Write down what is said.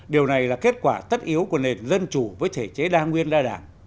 điều này là kết quả tất yếu của nền dân chủ với thể chế đa nguyên đa đảng